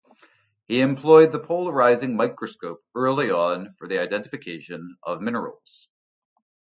He employed the polarizing microscope early on for the identification of minerals.